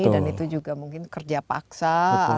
dan itu juga mungkin kerja paksa